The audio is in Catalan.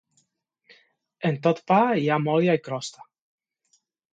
En tot pa hi ha molla i crosta.